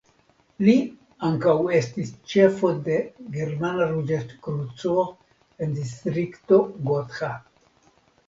Li ankaŭ estis ĉefo de la Germana Ruĝa Kruco en Distrikto Gotha.